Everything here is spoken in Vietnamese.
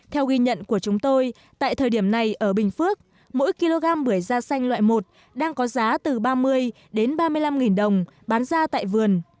theo ghi nhận của chúng tôi tại thời điểm này ở bình phước mỗi kg bưởi da xanh loại một đang có giá từ ba mươi đến ba mươi năm đồng bán ra tại vườn